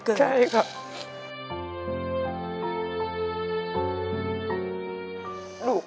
ขอบคุณครับ